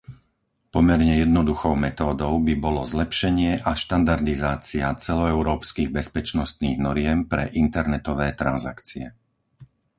Pomerne jednoduchou metódou by bolo zlepšenie a štandardizácia celoeurópskych bezpečnostných noriem pre internetové transakcie.